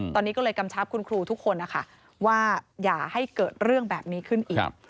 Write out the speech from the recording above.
ตอนนี้ก็เลยกำชับคุณครูทุกคนนะคะว่าอย่าให้เกิดเรื่องแบบนี้ขึ้นอีก